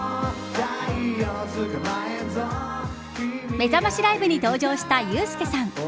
めざましライブに登場した遊助さん。